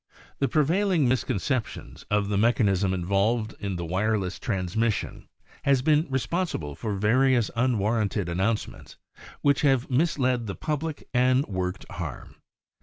The prevailing misconception of the mech anism involved in the wireless transmis sion has been responsible for various unwarranted announcements which have misled the public and worked harm.